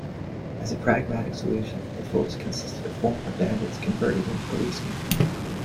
As a pragmatic solution, the force consisted of former bandits converted into policemen.